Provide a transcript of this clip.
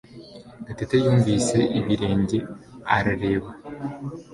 Gatete yumvise ibirenge arareba.